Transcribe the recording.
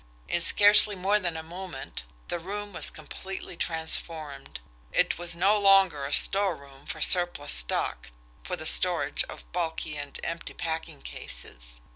In scarcely more than a moment, the room was completely transformed. It was no longer a storeroom for surplus stock, for the storage of bulky and empty packing cases!